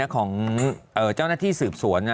ของเจ้าหน้าที่สืบสวน